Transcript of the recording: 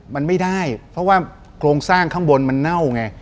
มันไม่ได้เพราะว่าโครงสร้างข้างบนมันเน่าไง